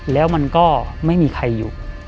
แล้วมันก็ไม่มีใครอยู่